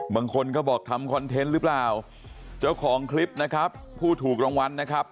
บางคนก็บอกทำคอนเทนต์หรือเปล่าเจ้าของคลิปนะครับผู้ถูกรางวัลนะครับ